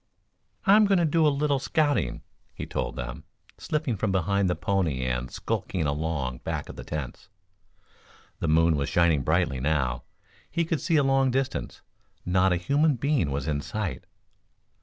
"I'm going to do a little scouting," he told them, slipping from behind the pony and skulking along back of the tents. The moon was shining brightly now. He could see a long distance. Not a human being was in sight.